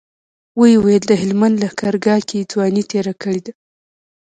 ويې ويل د هلمند لښکرګاه کې ځواني تېره کړې ده.